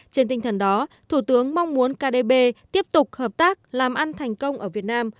trên tinh thần đó thủ tướng mong muốn kdb tiếp tục hợp tác làm ăn thành công ở việt nam